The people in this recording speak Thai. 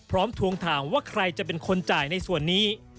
ทวงถามว่าใครจะเป็นคนจ่ายในส่วนนี้